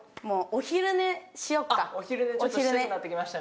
お昼寝したくなってきましたね。